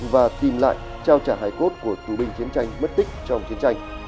và tìm lại trao trả hài cốt của tù binh chiến tranh mất tích trong chiến tranh